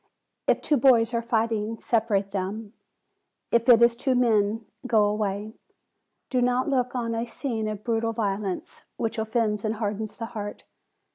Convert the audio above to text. If two boys are fighting, separate them; if it is two men, go away : do not look on a scene of brutal violence, which offends and hardens the heart.